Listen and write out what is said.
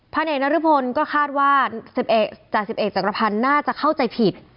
พันเอกนรพก็คาดว่าจ่า๑๑จักรพรณน่าจะเข้าใจผิด